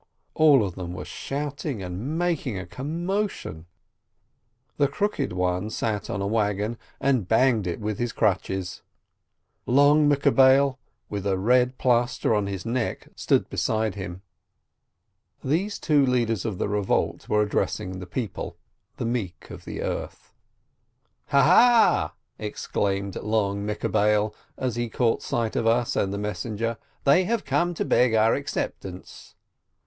All of them were shouting and making a commotion. The Crooked One sat on a wagon, and banged it with his crutches; Long Mekabbel, with a red plaster on his neck, stood beside him. AN ORIGINAL STRIKE 87 These two leaders of the revolt were addressing the people, the meek of the earth. "Ha, ha !" exclaimed Long Mekabbel, as he caught sight of us and the messenger, "they have come to beg our acceptance